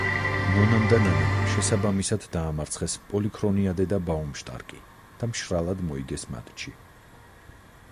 ნონამ და ნანამ შესაბამისად დაამარცხეს პოლიქრონიადე და ბაუმშტარკი და მშრალად მოიგეს მატჩი.